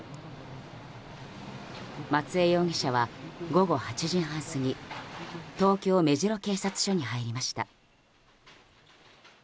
松江容疑者は午後８時半過ぎ東京・目白警察署に入りました。